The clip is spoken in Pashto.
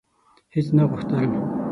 هیڅ نه غوښتل: